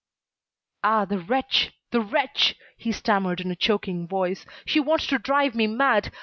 "Ah! The wretch! The wretch!" he stammered in a choking voice, "she wants to drive me mad.